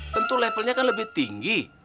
tentu levelnya kan lebih tinggi